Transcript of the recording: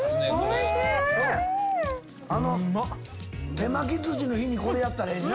手巻きずしの日にこれやったらええな。